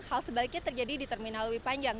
hal sebaliknya terjadi di terminal lewi panjang